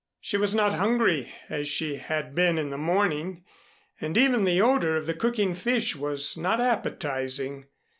She was not hungry as she had been in the morning and even the odor of the cooking fish was not appetizing.